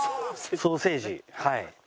ソーセージ。